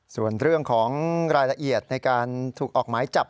ส่วนเรื่องของรายละเอียดในการถูกออกหมายจับ